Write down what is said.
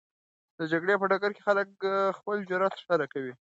د جګړې په ډګر کې خلک خپل جرئت ښکاره کوي.